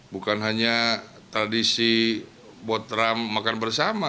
bukan hanya tradisi buat trump makan bersama